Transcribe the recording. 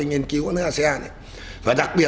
nghiên cứu của nước asean này và đặc biệt